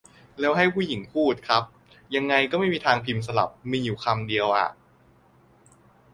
แล้วให้ผู้หญิงพูด ครับ ยังไงก็ไม่มีทางพิมพ์สลับ มีอยู่คำเดียวอะ